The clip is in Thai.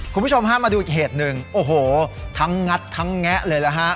คุณผู้ชมฮะมาดูอีกเหตุหนึ่งโอ้โหทั้งงัดทั้งแงะเลยนะฮะ